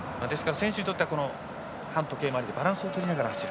選手にとっては反時計回りでバランスを取りながら走る。